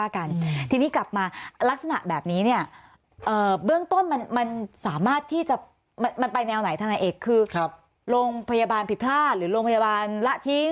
คือโรงพยาบาลผิดพลาดหรือโรงพยาบาลละทิ้ง